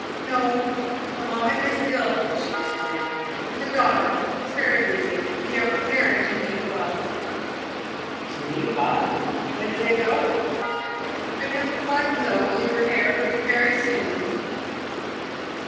"No, the mamma is ill," she exclaimed, "and the daughter is very busy. They are preparing to leave Baden." "To leave Baden? When do they go?" "I don't quite know, lieber Herr; but very soon."